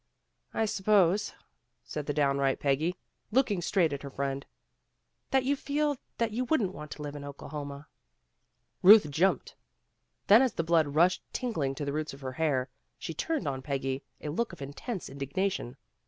"I suppose," said the downright Peggy, looking straight at her friend, "that you feel that you wouldn't want to live in Oklahoma." Ruth jumped. Then as the blood rushed tingling to the roots of her hair, she turned on Peggy a look of intense indignation.